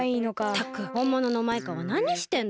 ったくほんもののマイカはなにしてんだ？